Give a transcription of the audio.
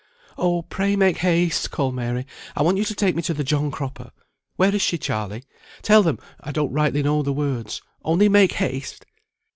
"Oh, pray make haste," called Mary. "I want you to take me to the John Cropper. Where is she, Charley? Tell them I don't rightly know the words, only make haste!"